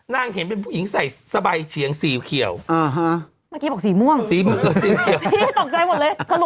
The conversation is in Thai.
น่าแหงเป็นผู้หญิงใส่สะบายเฉียงสีเขียวอ่าฮะ